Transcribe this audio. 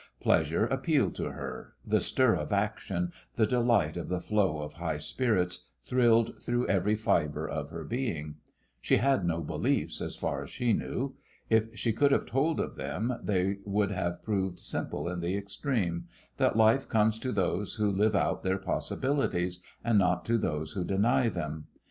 Pleasure appealed to her; the stir of action, the delight of the flow of high spirits, thrilled through every fibre of her being. She had no beliefs, as far as she knew. If she could have told of them, they would have proved simple in the extreme that life comes to those who live out their possibilities, and not to those who deny them.